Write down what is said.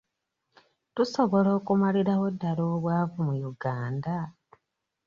Tusobola okumalirawo ddaala obwavu mu Uganda?